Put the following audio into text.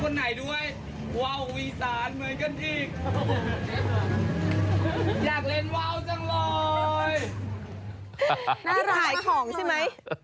น่าจะขายของใช่ไหม